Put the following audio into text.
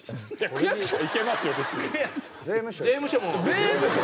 区役所も行けますよ